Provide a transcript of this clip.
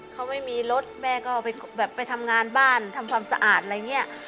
เขาไม่มีรถแม่ก็ไปทำงานบ้านทำความสะอาดอะไรเงี้ย